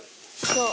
そう。